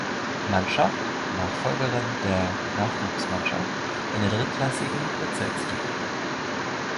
Mannschaft (Nachfolgerin der Nachwuchsmannschaft) in der drittklassigen Bezirksliga.